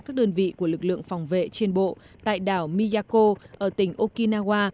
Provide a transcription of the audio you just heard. các đơn vị của lực lượng phòng vệ trên bộ tại đảo miyako ở tỉnh okinawa